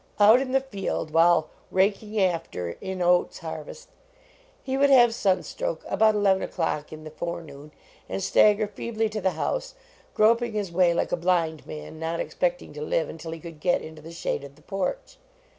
Out in the field, while " raking after" in oats I II JONAS harvest, he would have sunstroke about eleven o clock in the forenoon, and stagger feebly to the house, groping his way like a blind man, not expecting to live until he could get into the shade of the porch.